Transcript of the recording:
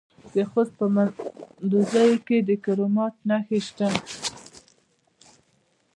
د خوست په مندوزیو کې د کرومایټ نښې شته.